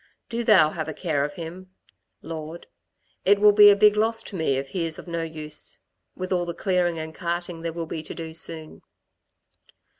Do Thou have a care of him. Lord. It will be a big loss to me if he is no use ... with all the clearing and carting there will be to do soon."